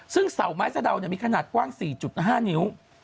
ซึ่งเสาไม้สะดาวมีขนาดกว้าง๔๕นิ้ว